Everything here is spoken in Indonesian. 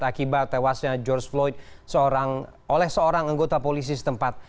akibat tewasnya george floyd oleh seorang anggota polisi setempat